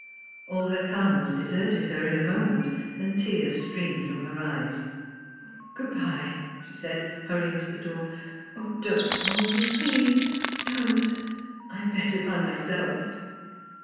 All her calmness deserted her in a moment, and tears streamed from her eyes. ' Good bye,' she said, hurrying to the door. ' Don't follow me please. Don't — I am better by myself.'